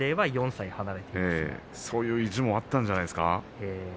そういう意地もあったんじゃないですか。